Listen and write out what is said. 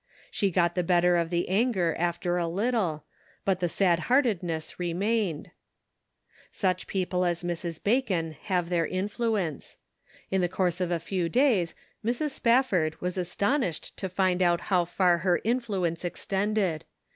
She got the better of the anger after a little, but the sadheartedness remained. Such people as Mrs. Bacon have their influence. In the course of a few days Mrs. Spafford was as tonished to find out how far her influence extended.